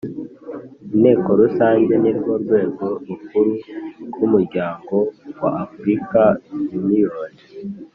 Inteko Rusange ni rwo rwego rukuru rw umuryango wa African Union